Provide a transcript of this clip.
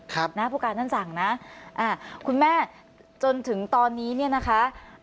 นะผู้การท่านสั่งนะอ่าคุณแม่จนถึงตอนนี้เนี่ยนะคะ